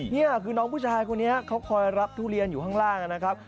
นี่คือน้องผู้ชายคนนี้เขาคอยรับทุเรียนอยู่ข้างล่างนะครับ